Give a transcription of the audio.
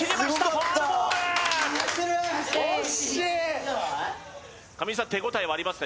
ファウルボール上地さん手応えはありますか？